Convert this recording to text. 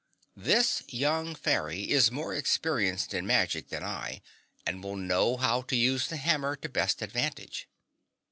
"This young fairy is more experienced in magic than I, and will know how to use the hammer to best advantage."